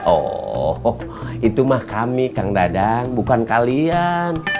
oh itu mah kami kang dadang bukan kalian